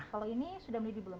kalau ini sudah menjadi belum